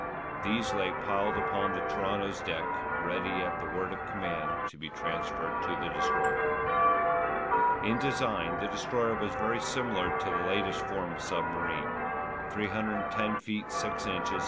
These lay piled upon the Toronto's deck ready at the word of command to be transferred to the Destroyer. In design the Destroyer was very similar to the latest form of submarine: 310 ft. 6 ins.